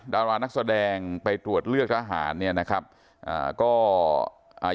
ดารานักแสดงไปตรวจเลือกทหารเนี่ยนะครับอ่าก็อ่า